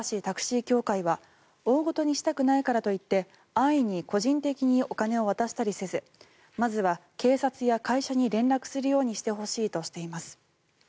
タクシー協会は大ごとにしたくないからといって安易に個人的にお金を渡したりせずまずは警察や会社に連絡するようにしてほしいとしています。